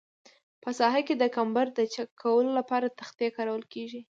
په ساحه کې د کمبر د چک کولو لپاره تختې کارول کیږي